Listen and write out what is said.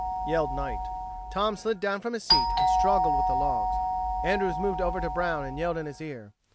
yelled Knight. Tom slid down from his seat and struggled with the logs. Andrews moved over to Brown and yelled in his ear.